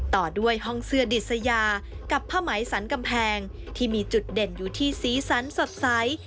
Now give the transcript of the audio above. ต่อด้วยห้องเสื้อดิสยากับผ้าไหมสันกำแพงที่มีจุดเด่นอยู่ที่สีสันสดใส